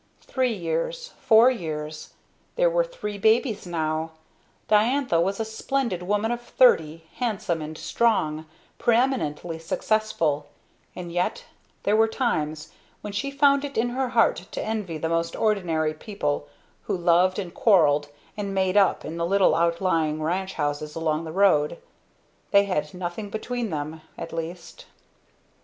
Three years, four years. There were three babies now; Diantha was a splendid woman of thirty, handsome and strong, pre eminently successful and yet, there were times when she found it in her heart to envy the most ordinary people who loved and quarreled and made up in the little outlying ranch houses along the road; they had nothing between them, at least.